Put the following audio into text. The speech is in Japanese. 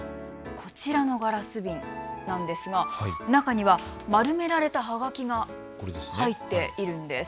こちらのガラス瓶なんですが中には丸められたはがきが入っているんです。